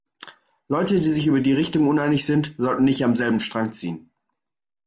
Leute, die sich über die Richtung uneinig sind, sollten nicht am selben Strang ziehen.